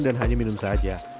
dan hanya minum saja